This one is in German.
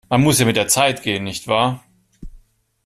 Man muss ja mit der Zeit gehen, nicht wahr?